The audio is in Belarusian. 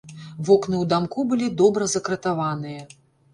Вокны ў дамку былі добра закратаваныя.